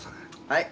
はい。